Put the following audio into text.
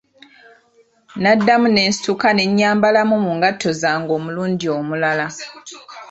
Naddamu ne nsituka ne nyambalamu mu ngatto zange omulundi omulala.